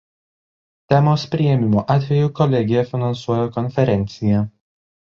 Temos priėmimo atveju Kolegija finansuoja konferenciją.